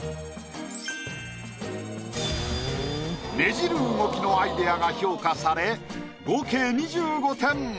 ねじる動きのアイデアが評価され合計２５点。